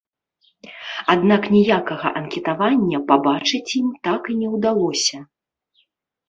Аднак ніякага анкетавання пабачыць ім так і не ўдалося.